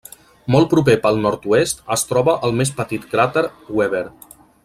Molt proper pel nord-oest es troba el més petit cràter Weber.